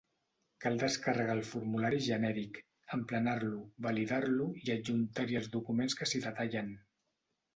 Cal descarregar el formulari genèric, emplenar-lo, validar-lo i adjuntar-hi els documents que s'hi detallen.